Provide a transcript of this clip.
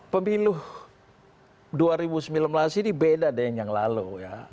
pemilu dua ribu sembilan belas ini beda dengan yang lalu ya